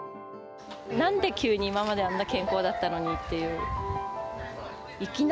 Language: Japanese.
なんで急に、今まであんな健康だったのにっていう。